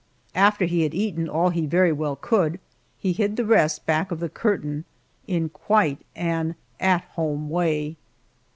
After he had eaten all he very well could, he hid the rest back of the curtain in quite an at home way.